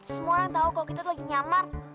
semua orang tahu kalau kita lagi nyaman